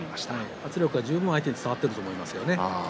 圧力が十分相手に伝わっていますね。